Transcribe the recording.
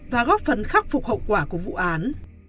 và góp phần khắc phục hậu quả của vụ án